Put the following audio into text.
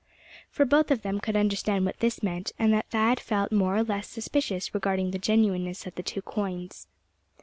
For both of them could understand what this meant, and that Thad felt more or less suspicious regarding the genuineness of the two coins.